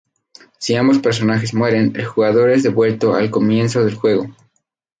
Si ambos personajes mueren, el jugador es devuelto al comienzo del juego.